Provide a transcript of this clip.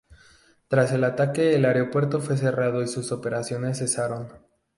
Tras el ataque el aeropuerto fue cerrado y sus operaciones cesaron.